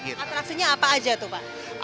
atraksinya apa aja tuh pak